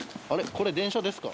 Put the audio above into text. これ電車ですか？